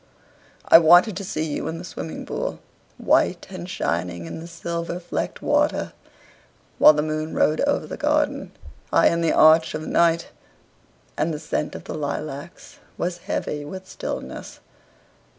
I wanted to see you in the swimming pool, White and shining in the silver flecked water. While the moon rode over the garden, High in the arch of night, And the scent of the lilacs was heavy with stillness.